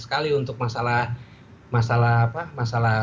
sekali untuk masalah apa masalah